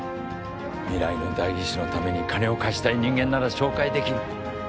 未来の代議士のために金を貸したい人間なら紹介できる。